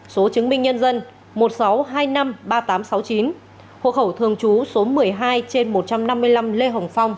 số chứng minh nhân dân một sáu hai năm ba tám sáu chín hộ khẩu thường trú số một mươi hai trên một trăm năm mươi năm lê hồng phong